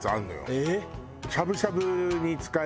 えっ！